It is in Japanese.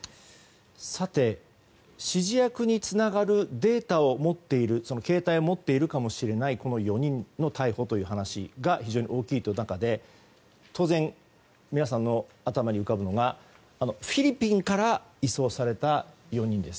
指示役につながるデータを持っている携帯を持っているかもしれない４人の逮捕という話が非常に大きい中で当然、皆さんの頭に浮かぶのがフィリピンから移送された４人です。